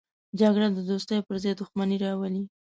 جګړه د دوستۍ پر ځای دښمني راولي